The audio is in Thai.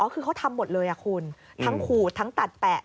คือเขาทำหมดเลยคุณทั้งขูดทั้งตัดแปะ